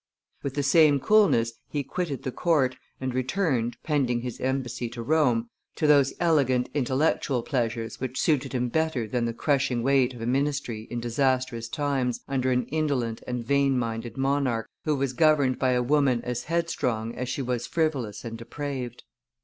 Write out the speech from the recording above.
With the same coolness he quitted the court and returned, pending his embassy to Rome, to those elegant intellectual pleasures which suited him better than the crushing weight of a ministry in disastrous times, under an indolent and vain minded monarch, who was governed by a woman as headstrong as she was frivolous and depraved.